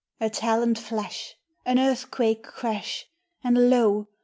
A taloned flash, an earthquake crash, And, lo!